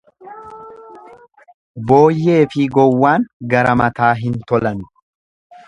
Booyyeefi gowwaan gara mataa hin tolanu.